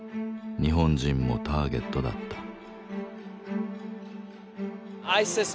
日本人もターゲットだった。